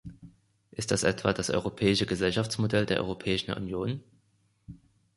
Ist das etwa das europäische Gesellschaftsmodell der Europäischen Union?